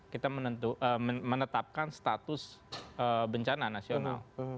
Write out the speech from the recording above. kita menetapkan status bencana nasional